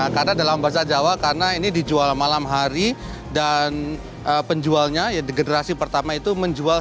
karena dalam bahasa jawa karena ini dijual malam hari dan penjualnya generasi pertama itu menjualnya